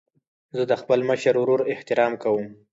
زه د خپل مشر ورور احترام کوم.